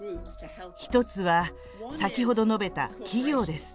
１つは、先ほど述べた企業です。